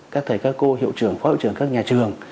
các thầy các cô hiệu trường phó hiệu trường các nhà trường